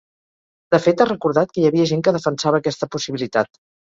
De fet, ha recordat que hi havia gent que defensava aquesta possibilitat.